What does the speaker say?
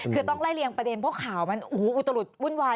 คือต้องไล่เลียงประเด็นเพราะข่าวมันอุตลุดวุ่นวาย